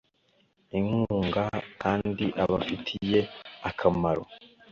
inkunga kandi abafitiye akamaro